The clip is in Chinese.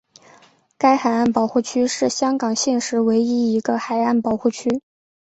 该海岸保护区是香港现时唯一一个海岸保护区。